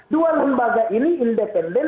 dua lembaga ini independen